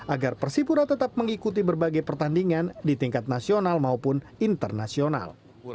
agar persipura tetap mengikuti berbagai pertandingan di tingkat nasional maupun internasional